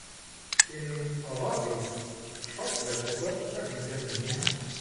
In Rossis Schauspielertruppe verblieb er sieben Jahre.